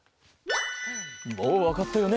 もうわかったよね？